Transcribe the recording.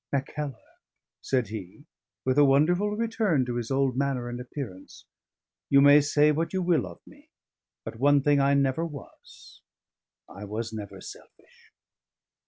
"Mackellar," said he, with a wonderful return to his old manner and appearance, "you may say what you will of me, but one thing I never was I was never selfish."